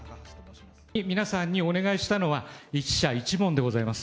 皆さんにお願いしたのは、１社１問でございます。